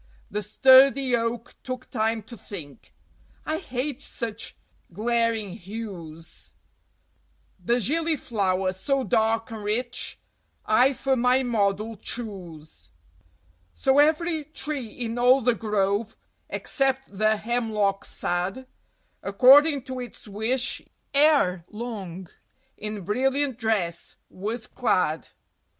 The sturdy Oak took time to think "I hate such glaring hues; The Gillyflower, so dark and rich, I for my model choose." So every tree in all the grove, except the Hemlock sad, According to its wish ere long in brilliant dress was clad.